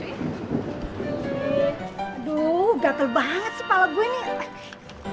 aduh gatel banget sih pala gue nih